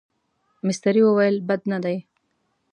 مستري وویل بد نه دي.